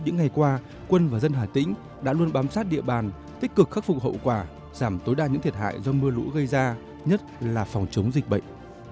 những ngày qua quân và dân hà tĩnh đã luôn bám sát địa bàn tích cực khắc phục hậu quả giảm tối đa những thiệt hại do mưa lũ gây ra nhất là phòng chống dịch bệnh